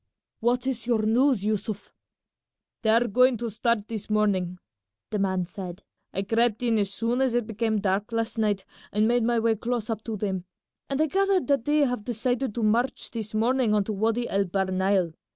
"What is your news, Yussuf?" "They are going to start this morning," the man said. "I crept in as soon as it became dark last night and made my way close up to them, and I gathered that they have decided to march this morning on to Wady El Bahr Nile.